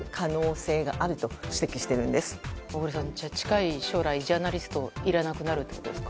じゃあ小栗さん、近い将来ジャーナリストがいらなくなるってことですか？